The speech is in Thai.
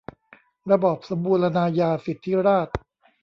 ระบอบสมบูรณาญาสิทธิราช